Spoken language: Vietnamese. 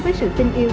với sự tình yêu